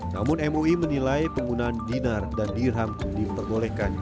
namun mui menilai penggunaan dinar dan dirham diperbolehkan